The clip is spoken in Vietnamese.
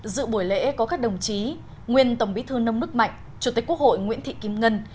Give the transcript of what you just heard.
dự buổi lễ có các đồng chí nguyên tổng bí thư nông đức mạnh chủ tịch quốc hội nguyễn thị kim ngân